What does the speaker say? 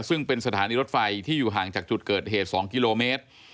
ซึ่งเป็นสถานีรถไฟที่อยู่ห่างจากจุดเกิดเหตุ๒กิโลเมตร